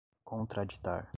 contraditar